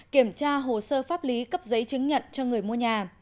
kiểm tra hồ sơ pháp lý cấp giấy chứng nhận cho người mua nhà